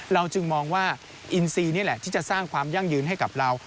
เราจึงมองว่าอินซีนี่แหละที่จะสร้างความยั่งยืนให้กับเรา